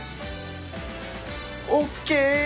ＯＫ！